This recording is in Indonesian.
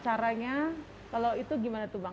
caranya kalau itu gimana tuh bang